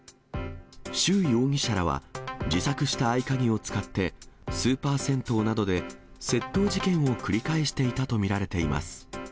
周容疑者らは自作した合鍵を使って、スーパー銭湯などで窃盗事件を繰り返していたと見られています。